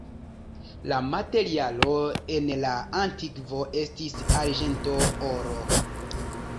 La materialo en la antikvo estis arĝento, oro.